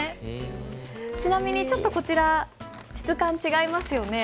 ちなみにちょっとこちら質感違いますよね？